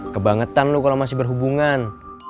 kebangetan lu kalo masih berhubungan